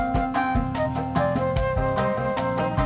saya mau jalan dulu